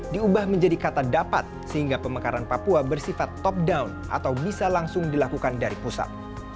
diubah menjadi kata dapat sehingga pemekaran papua bersifat top down atau bisa langsung dilakukan dari pusat